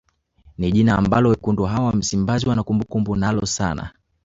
Ni jina ambalo wekundu hawa wa msimbazi wana kumbukumbu nalo sana